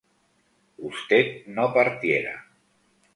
usted no partiera